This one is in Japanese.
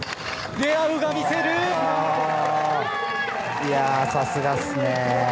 いやさすがっすね。